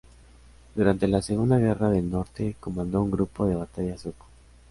Durante la Segunda Guerra del Norte, comandó un grupo de batalla sueco.